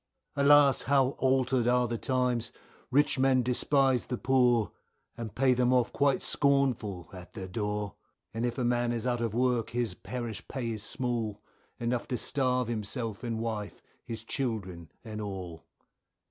Alas! how altered are the times, rich men despise the poor, And pay them off quite scornful at their door, And if a man is out of work his parish pay is small, Enough to starve himself and wife, his children and all.